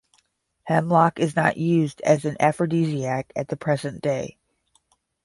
Hemlock is not used as an anaphrodisiac at the present day.